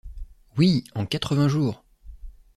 Oui, en quatre-vingts jours!